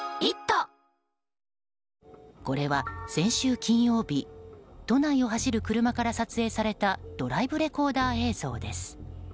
これは先週金曜日都内を走る車から撮影されたドライバー映像です。